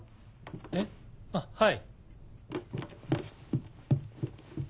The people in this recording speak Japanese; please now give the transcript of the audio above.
えあっはい。